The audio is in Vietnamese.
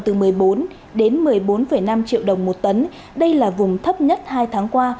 từ một mươi bốn đến một mươi bốn năm triệu đồng một tấn đây là vùng thấp nhất hai tháng qua